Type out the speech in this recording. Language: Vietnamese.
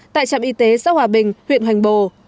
tại trạm y tế xã hòa bình huyện hoành bồ